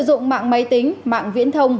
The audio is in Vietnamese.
sử dụng mạng máy tính mạng viễn thông